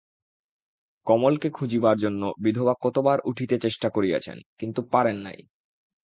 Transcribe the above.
কমলকে খুঁজিবার জন্য বিধবা কতবার উঠিতে চেষ্টা করিয়াছেন, কিন্তু পারেন নাই।